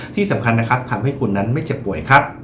ที่สำคัญนะครับทำให้คุณนั้นไม่เจ็บป่วยครับ